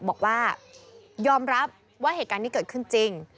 บอกว่ายอมรับว่าเหตุการณ์นี้เกิดขึ้นจริง